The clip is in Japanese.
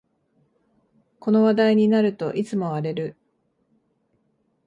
この話題になるといつも荒れる